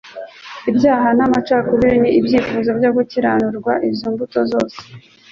Ibyaha n'amacakubiri n'ibyifuzo byo gukiranirwa: izo mbuto zose